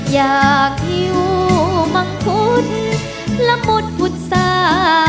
อยากอยู่มั่งคุ้นละหมุดอุตสา